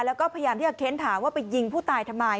แล้วก็พยายามที่จะเค้นถามว่าไปยิงผู้ตายทำไม